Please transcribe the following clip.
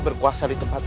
berkuasa di tempat ini